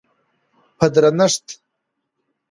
په درنښت،